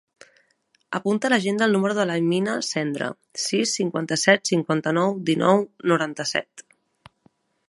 Apunta a l'agenda el número de l'Amina Sendra: sis, cinquanta-set, cinquanta-nou, dinou, noranta-set.